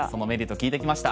聞いてきました。